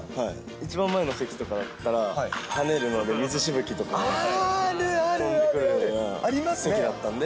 一番前の席とかだったら、はねるので、水しぶきとかが飛んでくる席だったんで。